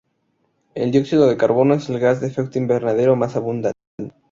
El dióxido de carbono es el gas de efecto invernadero más abundante.